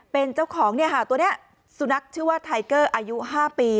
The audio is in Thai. เป็นเจ้าของเนี่ยค่ะตัวเนี่ยซูนักชื่อว่าไทเกอร์อายุ๕ปี